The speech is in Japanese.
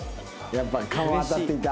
やっぱ勘は当たっていた。